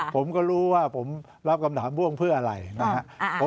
ผมก็รู้ว่าผมรับคำถามพ่วงเพื่ออะไรนะครับ